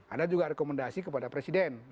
ada juga rekomendasi kepada presiden